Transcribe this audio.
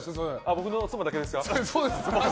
僕の妻だけですか？